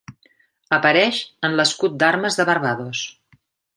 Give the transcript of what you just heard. Apareix en l'escut d'armes de Barbados.